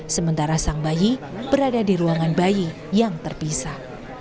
sementara sang bayi berada di ruangan bayi yang terpisah